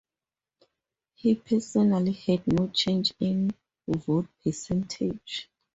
He personally had no change in vote percentage.